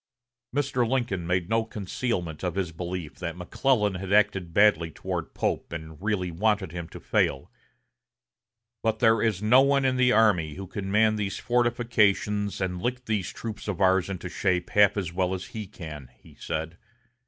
Mr. Lincoln made no concealment of his belief that McClellan had acted badly toward Pope and really wanted him to fail; "but there is no one in the army who can man these fortifications and lick these troops of ours into shape half as well as he can," he said.